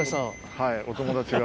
はいお友達が。